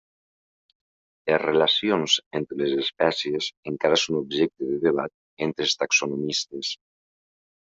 Les relacions entre les espècies encara són objecte de debat entre els taxonomistes.